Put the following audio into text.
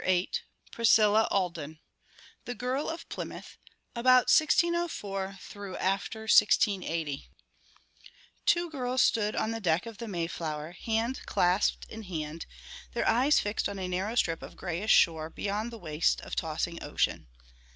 VIII Priscilla Alden The Girl of Plymouth: About 1604 after 1680 Two girls stood on the deck of the Mayflower, hand clasped in hand, their eyes fixed on a narrow strip of grayish shore beyond the waste of tossing ocean.